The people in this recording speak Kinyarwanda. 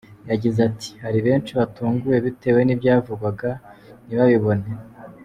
Yagize ati : 'Hari benshi batunguwe bitewe n'ibyavugwaga ntibabibone.